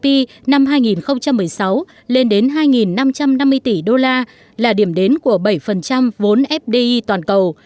p năm hai nghìn một mươi sáu lên đến hai năm trăm năm mươi tỷ đô la là điểm đến của bảy vốn fdi toàn cầu